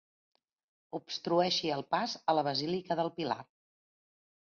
Obstrueixi el pas a la basílica del Pilar.